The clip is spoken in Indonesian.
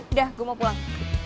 udah gue mau pulang